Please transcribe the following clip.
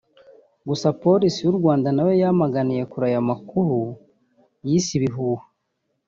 Gusa polisi y’u Rwanda na yo yamaganiye kure aya makuru yise ibihuha